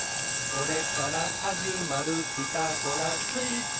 「これからはじまるピタゴラスイッチは」